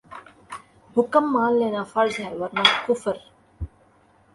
حکم مان لینا فرض ہے ورنہ کفر